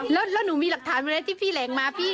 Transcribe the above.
แล้วหนูมีหลักฐานมาทำอะไรที่พี่เร่งมาพี่